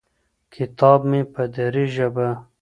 کتاب مې په دري ژبه